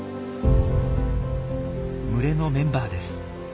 群れのメンバーです。